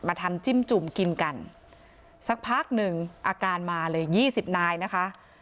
ทำจิ้มจุ่มกินกันสักพักหนึ่งอาการมาเลยยี่สิบนายนะคะ